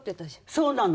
そうなの。